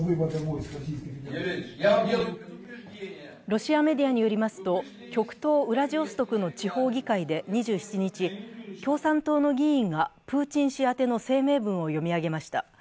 ロシアメディアによりますと、極東ウラジオストクの地方議会で２７日、共産党の議員がプーチン氏宛の声明文を読み上げました。